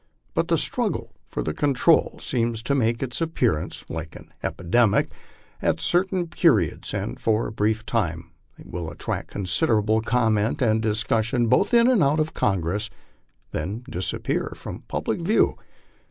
But the struggle for this con. trol seems to make its appearance, like an epidemic, at certain periods, and for a brief time will attract considerable comment and discussion both in and out of Congress, then disappear from public view.